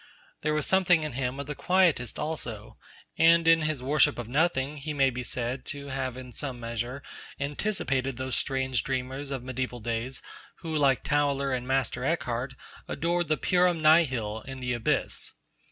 There was something in him of the Quietist also; and in his worship of Nothing he may be said to have in some measure anticipated those strange dreamers of mediaeval days who, like Tauler and Master Eckhart, adored the purum nihil and the Abyss.